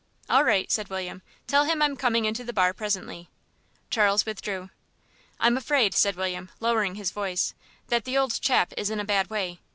"All right," said William. "Tell him I'm coming into the bar presently." Charles withdrew. "I'm afraid," said William, lowering his voice, "that the old chap is in a bad way.